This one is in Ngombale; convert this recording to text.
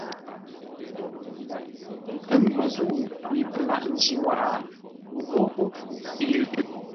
Ə̂ məzə̂u mi pə́ laghʼ ńjî wághʼə ghóghó yʉʼ.